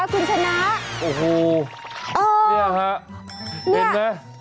อันนี้ครับ